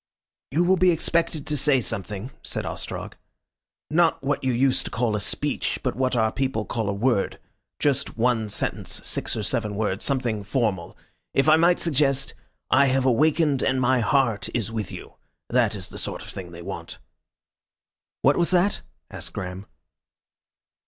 "You will be expected to say something," said Ostrog. "Not what you used to call a Speech, but what our people call a word just one sentence, six or seven words. Something formal. If I might suggest 'I have awakened and my heart is with you.' That is the sort of thing they want." "What was that?" asked Graham.